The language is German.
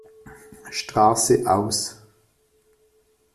Straße aus.